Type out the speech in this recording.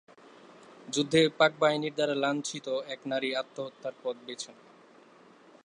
যুদ্ধে পাক বাহিনীর দ্বারা লাঞ্ছিত এক নারী আত্মহত্যার পথ বেছে নেয়।